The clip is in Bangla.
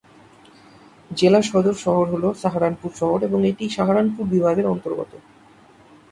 জেলা সদর শহর হল সাহারানপুর শহর এবং এটি সাহারানপুর বিভাগের অন্তর্গত।